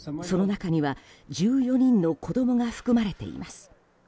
その中には１４人の子供が含まれています。